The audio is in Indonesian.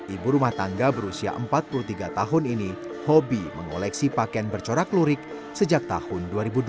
ibu rumah tangga berusia empat puluh tiga tahun ini hobi mengoleksi pakaian bercorak lurik sejak tahun dua ribu dua belas